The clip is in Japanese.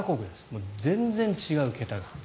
もう全然違う、桁が。